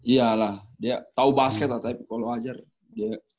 iya lah dia tau basket lah tapi kalo ajar dia dikitnya